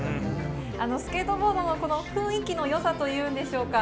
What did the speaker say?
スケートボードの雰囲気の良さというんでしょうか。